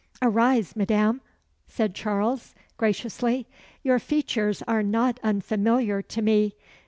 "Arise, Madame," said Charles, graciously. "Your features are not unfamiliar to me.